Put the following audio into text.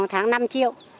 tháng năm triệu